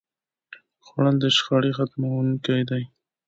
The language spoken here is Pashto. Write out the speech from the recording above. خوړل د شخړې ختموونکی دی